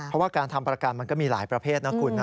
เพราะว่าการทำประกันมันก็มีหลายประเภทนะคุณนะ